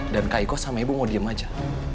dan kak iko sama ibu mau diem saja